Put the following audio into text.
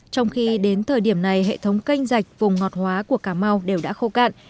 trong khi đến thời điểm này hệ thống canh dạch vùng ngọt hóa của cà mau đều đã khô cạn